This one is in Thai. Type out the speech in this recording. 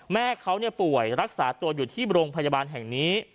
แม่เขาป่วยรักษาตัวอยู่ที่โรงพยาบาลแห่งนี้